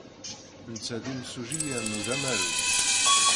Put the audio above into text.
Netta d imsujji yernu d amaru.